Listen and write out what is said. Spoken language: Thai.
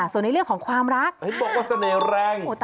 ส่วนในเรื่องของความรักเห็นบอกว่าเสน่ห์แรง